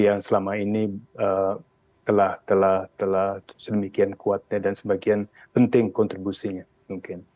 yang selama ini telah sedemikian kuatnya dan sebagian penting kontribusinya mungkin